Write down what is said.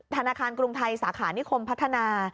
ธนาคารกรุงไทยสาขานิคมพัฒนา